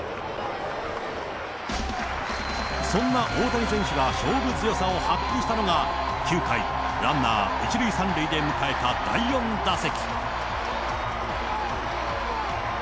そんな大谷選手が勝負強さを発揮したのが、９回、ランナー１塁３塁で迎えた第４打席。